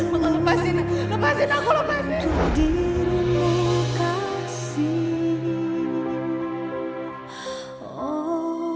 mama lepasin lepasin aku lepasin